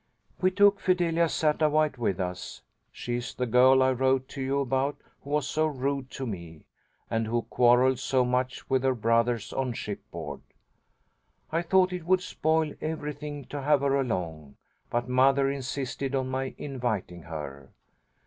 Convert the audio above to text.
"We took Fidelia Sattawhite with us. She is the girl I wrote to you about who was so rude to me, and who quarrelled so much with her brothers on shipboard. I thought it would spoil everything to have her along, but mother insisted on my inviting her.